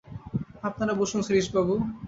আপনারা বসুন শ্রীশবাবু!